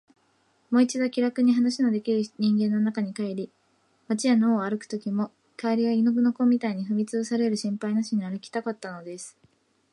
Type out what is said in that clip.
もう一度、気らくに話のできる人間の中に帰り、街や野を歩くときも、蛙や犬の子みたいに踏みつぶされる心配なしに歩きたかったのです。